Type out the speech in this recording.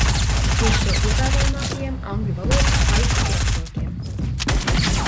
Viens no ievērojamākajiem angļu valodas haiku rakstniekiem.